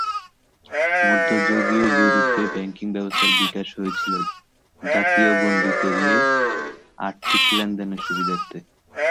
মধ্যযুগীয় ইউরোপে ব্যাংকিং ব্যবস্থা বিকশিত হয়েছিল, জাতীয় গণ্ডি পেরিয়ে আর্থিক লেনদেনের সুবিধার্থে।